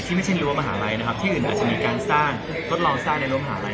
ไม่ใช่รั้วมหาลัยนะครับที่อื่นอาจจะมีการสร้างทดลองสร้างในรัมหาลัย